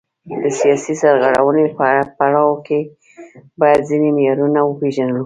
د سیاسي سرغړونې په پړاو کې باید ځینې معیارونه وپیژنو.